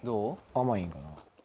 甘いんかな？